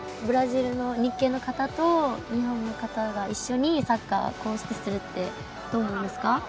ブラジルの日系の方と日本の方が一緒にサッカーをこうしてするってどうなんですか？